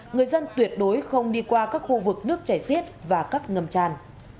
người dân tuyệt đối không đi qua các khu vực nước chảy xiết và các ngầm tràn